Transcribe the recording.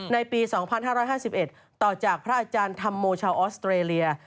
ในปี๒๕๕๑ต่อจากพระอาจารย์ธรรมโมชาวออสเตรเลีย